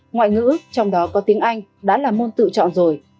ngoại ngữ trong đó có tiếng anh đã là môn tự chọn rồi